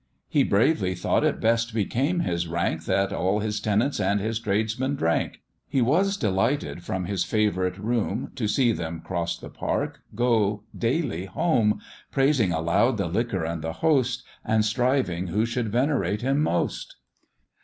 He bravely thought it best became his rank That all his tenants and his tradesmen drank; He was delighted from his favourite room To see them 'cross the park go daily home Praising aloud the liquor and the host, And striving who should venerate him most.